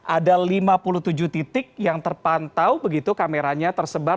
ada lima puluh tujuh titik yang terpantau begitu kameranya tersebar